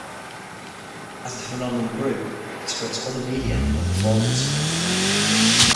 As the phenomenon grew, it spread to other media and other forums.